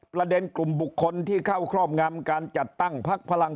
ประเด็นกลุ่มบุคคลที่เข้าครอบงำการจัดตั้งพักพลัง